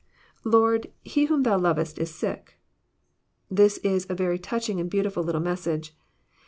^ lLord...Jie whom thou lovest is sick."] This is a very touching aud beautiftil little message.